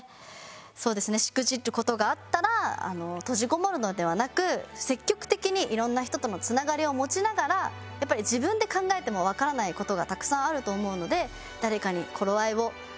そうですねしくじる事があったら閉じこもるのではなく積極的にいろんな人とのつながりを持ちながらやっぱり自分で考えてもわからない事がたくさんあると思うので誰かに頃合いを。